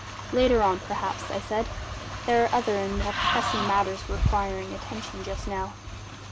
"Later on, perhaps," I said. "There are other and more pressing matters requiring attention just now.